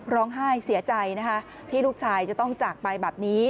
ร้องไห้เสียใจนะคะที่ลูกชายจะต้องจากไปแบบนี้